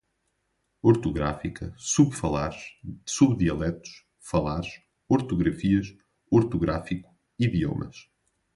ortográfica, subfalares, subdialetos, falares, ortografias, ortográfico, idiomas